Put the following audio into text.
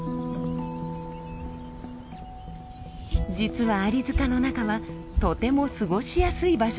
実はアリ塚の中はとても過ごしやすい場所です。